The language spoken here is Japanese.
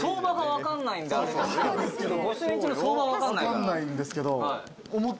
分かんないんですけど。